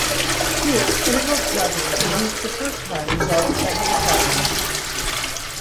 Here, integral calculus is used for the first time in solving technical problems.